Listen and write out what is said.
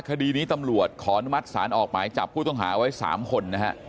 คดีนี้ตำรวจขออนุมัติศาลออกหมายจับผู้ต้องหาไว้๓คนนะฮะ